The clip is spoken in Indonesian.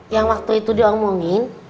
yang waktu itu diomongin